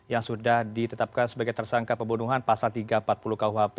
yang sudah ditetapkan sebagai tersangka pembunuhan pasal tiga ratus empat puluh kuhp